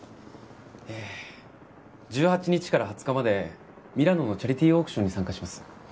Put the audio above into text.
えー１８日から２０日までミラノのチャリティーオークションに参加します。